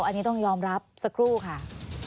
อันนี้ต้องยอมรับสักครู่ค่ะ